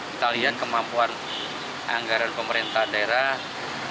kita lihat kemampuan anggaran pemerintah daerah